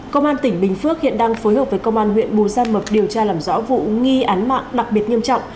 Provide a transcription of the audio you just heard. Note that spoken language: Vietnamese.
công an tỉnh bình phước hiện đang phối hợp với công an huyện bù gia mập điều tra làm rõ vụ nghi án mạng đặc biệt nghiêm trọng